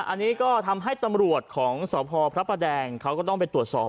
อันนี้ก็ทำให้ตำรวจของสพพระประแดงเขาก็ต้องไปตรวจสอบ